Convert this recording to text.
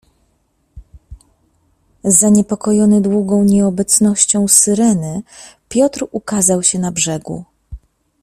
"Zaniepokojony długą nieobecnością Syreny, Piotr ukazał się na brzegu."